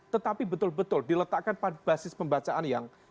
tetapi betul betul diletakkan pada basis pembacaan yang